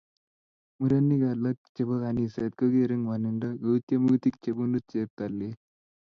Murenik alam chebo kaniset kogeere ngwonindo ku tyemutik chebunu cheptailel